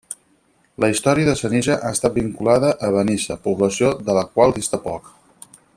La història de Senija ha estat vinculada a Benissa, població de la qual dista poc.